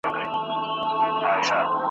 پروا نشته زما په زندګۍ دې پوره نشي